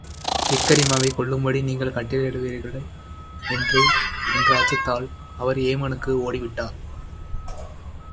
இக்ரிமாவைக் கொல்லும்படி நீங்கள் கட்டளையிடுவீர்களோ என்ற அச்சத்தால், அவர் ஏமனுக்கு ஓடி விட்டார்.